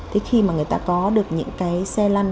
thế khi mà người ta có được những cái xe lăn